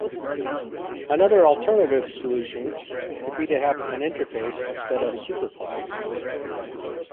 Another alternative solution could be to have an interface instead of superclass.